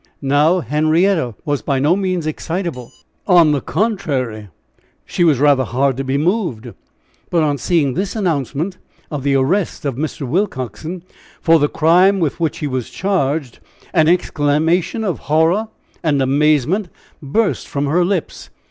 Now, Henrietta was by no means excitable on the contrary, she was rather hard to be moved; but on seeing this announcement of the arrest of Mr. Willcoxen, for the crime with which he was charged, an exclamation of horror and amazement burst from her lips.